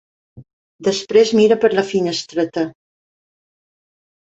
Després mira per la finestreta.